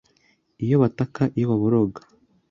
iyo bataka iyo baboroga